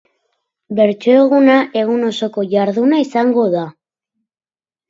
Bertso eguna egun osoko jarduna izango da.